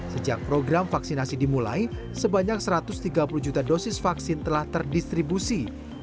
sejak program vaksinasi dimulai sebanyak satu ratus tiga puluh juta dosis vaksin telah terdistribusi